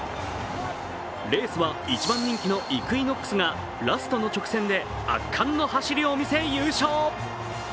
レースは一番人気のイクイノックスがラストの直線で圧巻の走りを見せ優勝。